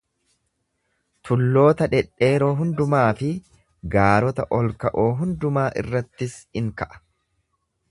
Tulloota dhedheeroo hundumaa fi gaarota ol ka'oo hundumaa irrattis in ka'a.